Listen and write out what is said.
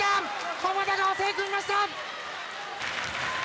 浜田が押さえ込みました。